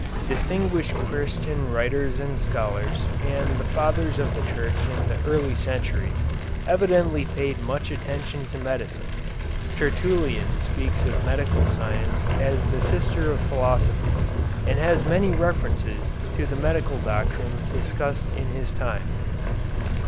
Distinguished Christian writers and scholars, and the Fathers of the Church in the early centuries, evidently paid much attention to medicine. Tertullian speaks of medical science as the sister of philosophy, and has many references to the medical doctrines discussed in his time.